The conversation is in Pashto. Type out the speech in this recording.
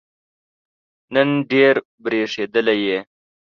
نن ډېر برېښېدلی یې